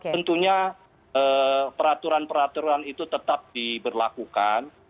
tentunya peraturan peraturan itu tetap diberlakukan